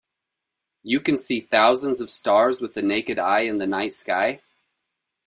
You can see thousands of stars with the naked eye in the night sky?